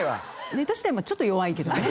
ネタ自体はちょっと弱いけどね。